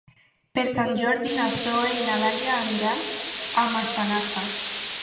Per Sant Jordi na Zoè i na Laia aniran a Massanassa.